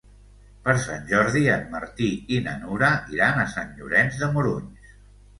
Per Sant Jordi en Martí i na Nura iran a Sant Llorenç de Morunys.